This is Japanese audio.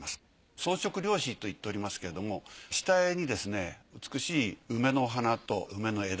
装飾料紙と言っておりますけれども下絵に美しい梅の花と梅の枝